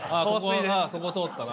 ここ通ったな。